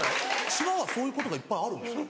島はそういうことがいっぱいあるんですか？